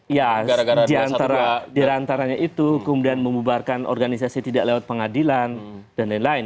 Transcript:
ya di antaranya itu kemudian memubarkan organisasi tidak lewat pengadilan dan lain lain